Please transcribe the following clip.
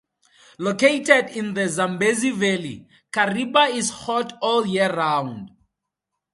Located in the Zambezi Valley, Kariba is hot all year round.